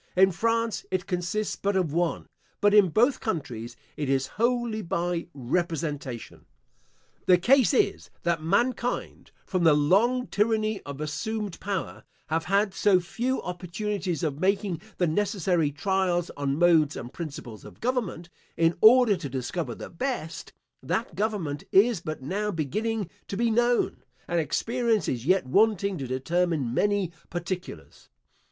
In France it consists but of one, but in both countries, it is wholly by representation. The case is, that mankind (from the long tyranny of assumed power) have had so few opportunities of making the necessary trials on modes and principles of government, in order to discover the best, that government is but now beginning to be known, and experience is yet wanting to determine many particulars.